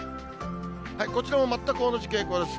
こちらもまったく同じ傾向です。